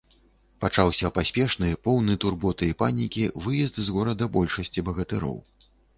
Пачаўся паспешны, поўны турботы і панікі, выезд з горада большасці багатыроў.